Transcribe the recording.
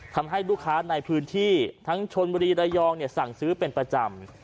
ทำให้ลูกค้าในพื้นที่ทั้งชนบุรีระยองสั่งซื้อเป็นประจำ